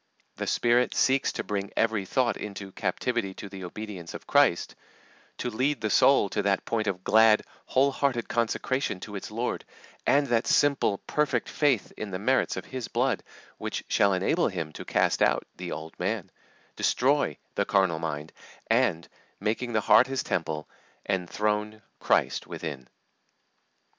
The Spirit seeks to bring every thought into "captivity to the obedience of Christ," to lead the soul to that point of glad, whole hearted consecration to its Lord, and that simple, perfect faith in the merits of His blood which shall enable Him to cast out "the old man," destroy "the carnal mind," and, making the heart His temple, enthrone Christ within.